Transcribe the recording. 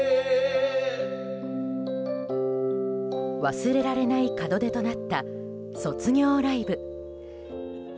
忘れられない門出となった卒業ライブ。